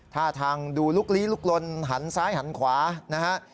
ท่าทางดูลุกลี้ลุกลนหันซ้ายหันขวานะฮะ